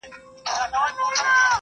نارینه پر ښځه برلاسی سو